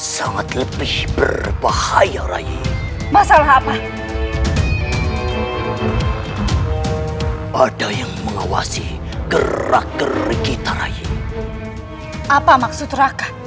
sangat lebih berbahaya raye masalah apa ada yang mengawasi gerak geri kita rayu apa maksud raka